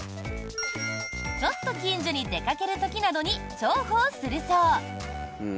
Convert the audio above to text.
ちょっと近所に出かける時などに重宝するそう。